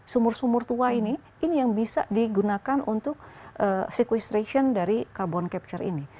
sumur sumur tua ini ini yang bisa digunakan untuk sequestration dari carbon capture ini